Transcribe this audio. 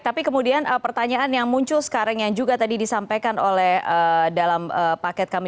tapi kemudian pertanyaan yang muncul sekarang yang juga tadi disampaikan oleh dalam paket kami